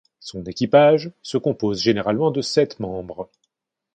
Son équipage se compose généralement de sept membres.